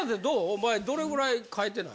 お前どれぐらい替えてない？